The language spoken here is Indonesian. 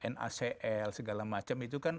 nacl segala macam itu kan